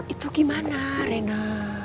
itu gimana rena